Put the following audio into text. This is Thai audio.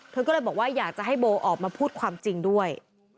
เธอก็เลยบอกว่าอยากจะให้โบออกมาพูดความจริงด้วย